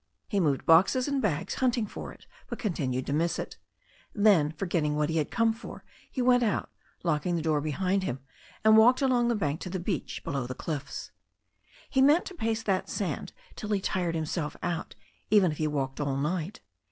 He moved boxes and bags, hunting for it, but continued to miss it. Then, forgetting what he had come in for, he went out, locking the door behind him, and walked along the bank to the beach below the cliffs. He meant to pace that sand till he tired himself out, even if he walked all night.